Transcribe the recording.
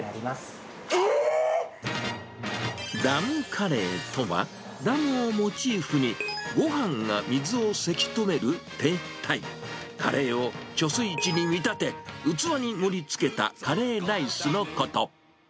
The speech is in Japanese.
ダムカレーとは、ダムをモチーフに、ごはんが水をせき止める停滞、カレーを貯水池に見立て、器に盛りつけたカレーライスのこと。